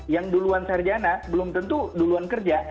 yang duluan sarjana belum tentu duluan kerja